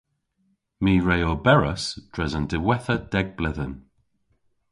My re oberas dres an diwettha deg bledhen.